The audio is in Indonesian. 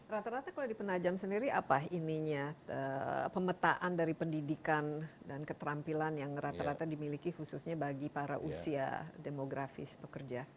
rata rata kalau di penajam sendiri apa ininya pemetaan dari pendidikan dan keterampilan yang rata rata dimiliki khususnya bagi para usia demografis bekerja